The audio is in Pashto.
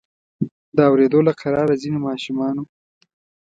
د اوریدو له قراره ځینې ماشومانو.